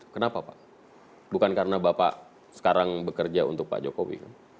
kenapa pak bukan karena bapak sekarang bekerja untuk pak jokowi